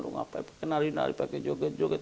lu ngapain pakai nari nari pakai joget joget